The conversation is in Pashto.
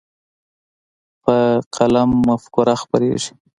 په قلم مفکوره خپرېږي.